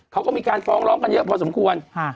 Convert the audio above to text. เขาก็มีการฟ้องร้องกันเยอะพอสมควร